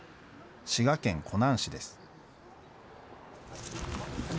滋賀県湖南市です。